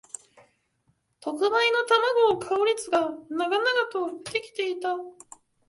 特売の玉子を買う列が長々と出来ていた